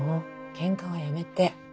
ケンカはやめて。